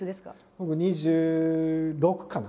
僕２６かな？